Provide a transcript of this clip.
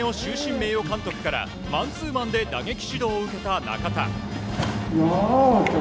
名誉監督からマンツーマンで打撃指導を受けた中田。